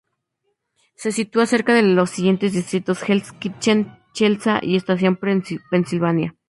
Se sitúa cerca de los siguientes distritos: Hell's Kitchen, Chelsea y Estación Pensilvania.